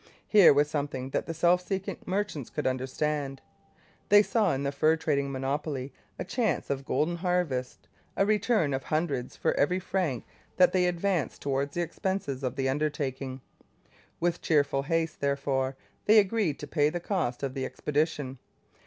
Here was something that the self seeking merchants could understand. They saw in the fur trading monopoly a chance of a golden harvest, a return of hundreds for every franc that they advanced towards the expenses of the undertaking. With cheerful haste, therefore, they agreed to pay the cost of the expedition.